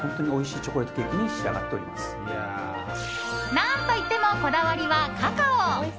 何といってもこだわりはカカオ！